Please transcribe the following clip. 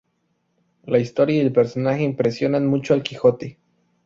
La historia y el personaje impresionan mucho al Quijote.